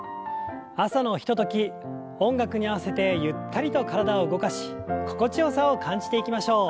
朝のひととき音楽に合わせてゆったりと体を動かし心地よさを感じていきましょう。